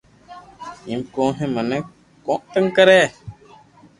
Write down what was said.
ايم ڪون ھي مني ڪون تنگ ڪري